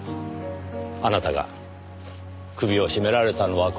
あなたが首を絞められたのはここですか？